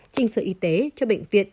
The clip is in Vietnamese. trình sở y tế cho bệnh viện mở